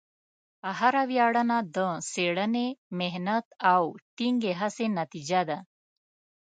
هره ویاړنه د څېړنې، محنت، او ټینګې هڅې نتیجه ده.